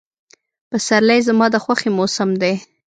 پسرلی زما د خوښې موسم دی.